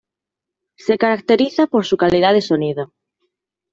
Se caracteriza por su calidad de sonido.